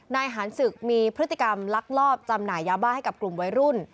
นายหารศึกมีพฤติกรรมลักลอบจำหน่ายยาบ้าให้กับกลุ่มวัยรุ่น